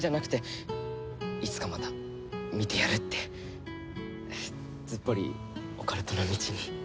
いつかまた見てやるってずっぽりオカルトの道に。